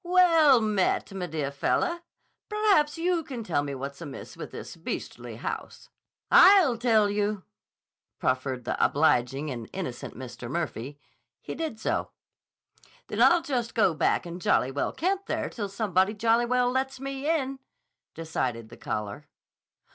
"Well met, m'deah fellah! Perhaps you can tell me what's amiss with this beastly house." "I'll tell you," proffered the obliging and innocent Mr. Murphy. He did so. "Then I'll just go back and jolly well camp there till somebody jolly well lets me in," decided the caller.